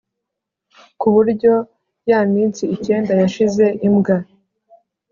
kuburyo ya minsi icyenda yashize imbwa